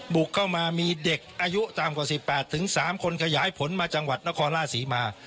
บุกเข้ามามีเด็กอายุตามกว่าสิบแปดถึงสามคนขยายผลมาจังหวัดนครล่าศรีมา